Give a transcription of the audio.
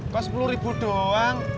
kok sepuluh doang